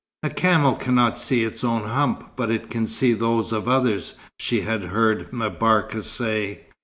"A camel cannot see its own hump, but it can see those of others," she had heard M'Barka say.